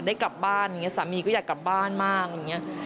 ได้กลับบ้านอย่างนี้สามีก็อยากกลับบ้านมากอะไรอย่างนี้